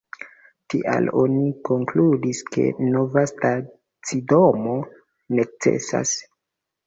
Tial oni konkludis ke nova stacidomo necesas.